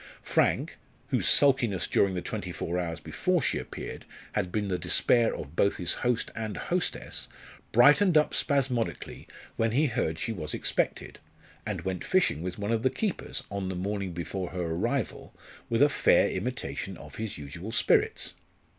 Frank, whose sulkiness during the twenty four hours before she appeared had been the despair of both his host and hostess, brightened up spasmodically when he heard she was expected, and went fishing with one of the keepers, on the morning before her arrival, with a fair imitation of his usual spirits.